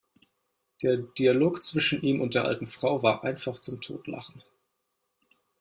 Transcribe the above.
Der Dialog zwischen ihm und der alten Frau war einfach zum Totlachen!